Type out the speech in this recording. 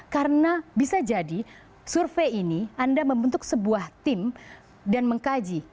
karena bisa jadi survei ini anda membentuk sebuah tim dan mengkaji